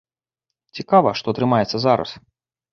Цікава, што атрымаецца зараз.